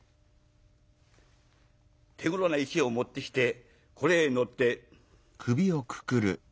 手ごろな石を持ってきてこれへ乗って。